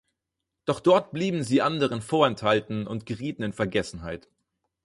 Doch dort blieben sie anderen vorenthalten und gerieten in Vergessenheit.